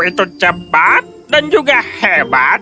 itu cepat dan juga hebat